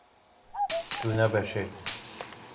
Tu nebişirî.